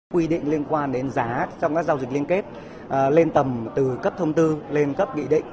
quy định liên quan đến giá trong các giao dịch liên kết lên tầm từ cấp thông tư lên cấp nghị định